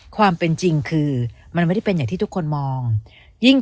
ความเป็นจริงคือมันไม่ได้เป็นอย่างที่ทุกคนมอง